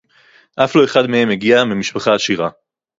אף לא אחד מהם הגיע ממשפחה עשירה